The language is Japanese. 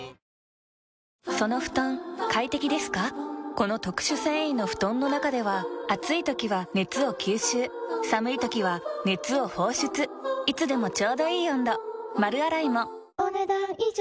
この特殊繊維の布団の中では暑い時は熱を吸収寒い時は熱を放出いつでもちょうどいい温度丸洗いもお、ねだん以上。